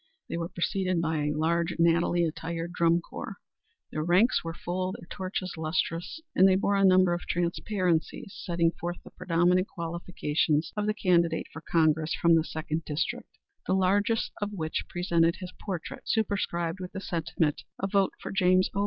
They were preceded by a large, nattily attired drum corps; their ranks were full, their torches lustrous, and they bore a number of transparencies setting forth the predominant qualifications of the candidate for Congress from the second district, the largest of which presented his portrait superscribed with the sentiment, "A vote for James O.